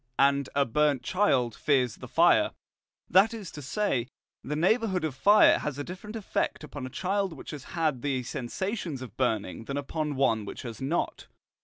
& A burnt child fears the fire, that is to say, the neighbourhood of fire has a different effect upon a child which has had the sensations of burning than upon one which has not.